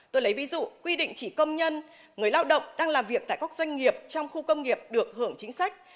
tôi lấy ví dụ quy định chỉ công nhân người lao động đang làm việc tại các doanh nghiệp trong khu công nghiệp được hưởng chính sách